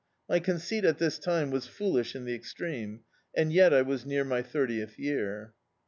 My conceit, at this time, was foolish in the extreme, and yet I was near my thirtieth year.